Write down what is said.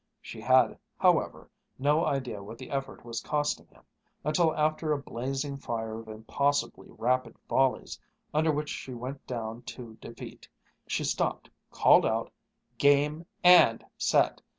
She had, however, no idea what the effort was costing him, until after a blazing fire of impossibly rapid volleys under which she went down to defeat, she stopped, called out, "Game and set!"